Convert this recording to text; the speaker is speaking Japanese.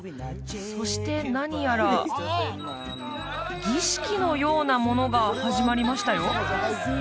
そして何やら儀式のようなものが始まりましたよ